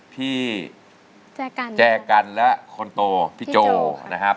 พี่แจกันแจกันและคนโตพี่โจนะครับ